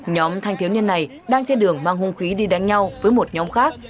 nhóm thanh thiếu niên này đang trên đường mang hung khí đi đánh nhau với một nhóm khác